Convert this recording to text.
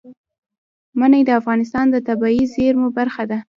منی د افغانستان د طبیعي زیرمو برخه ده.